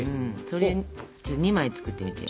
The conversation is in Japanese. それ２枚作ってみてよ。